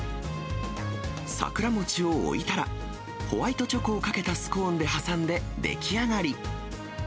桜餅を置いたら、ホワイトチョコをかけたスコーンで、挟んで出来上がり。